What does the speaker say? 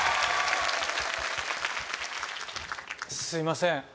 すいません